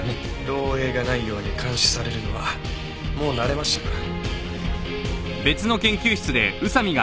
漏洩がないように監視されるのはもう慣れましたから。